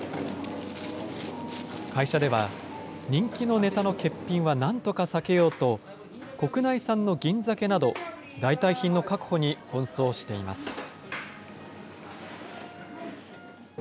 会社では、人気のネタの欠品はなんとか避けようと、国内産の銀ザケなど、代替品の確保に奔走しています。